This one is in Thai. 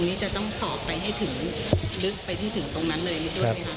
นี่จะต้องสอบไปให้ถึงลึกไปให้ถึงตรงนั้นเลยด้วยไหมคะ